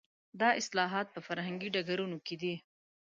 دا اصلاحات په فرهنګي ډګرونو کې دي.